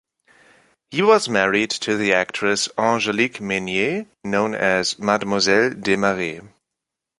He was married to the actress Angélique Mesnier, known as Mademoiselle Desmarest.